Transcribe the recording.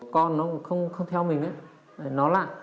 con nó không theo mình nó lạ